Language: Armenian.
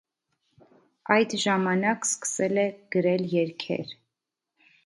Այդ ժամանակ սկսել է գրել երգեր։